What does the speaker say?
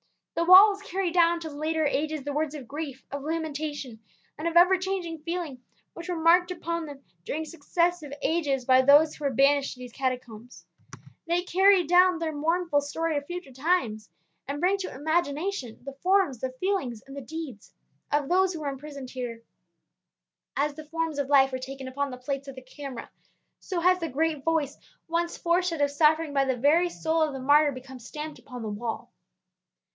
The walls carry down to later ages the words of grief, of lamentation, and of ever changing feeling which were marked upon them during successive ages by those who were banished to these Catacombs. They carry down their mournful story to future times, and bring to imagination the forms, the feelings and the deeds of those who were imprisoned here. As the forms of life are taken upon the plates of the camera, so has the great voice once forced out by suffering from the very soul of the martyr become stamped upon the wall.